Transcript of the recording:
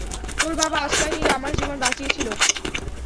তোর বাবা আশ্রয় দিয়ে আমার জীবন বাঁচিয়েছিল।